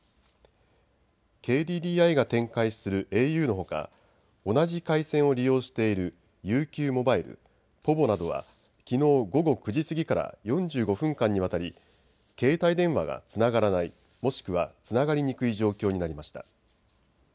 ＫＤＤＩが展開するａｕのほか同じ回線を利用しているＵＱモバイル、ｐｏｖｏなどはきのう午後９時過ぎから４５分間にわたり携帯電話がつながらない、もしくはつながりにくい状況になりました。